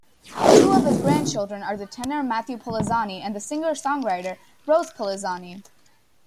Two of his grandchildren are the tenor Matthew Polenzani and the singer-songwriter Rose Polenzani.